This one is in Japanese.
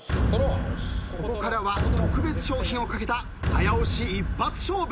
ここからは特別賞品を懸けた早押し一発勝負。